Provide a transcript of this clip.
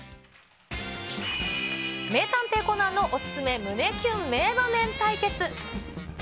名探偵コナンのお勧め胸キュン名場面対決。